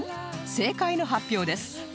正解の発表です